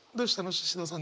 シシドさん。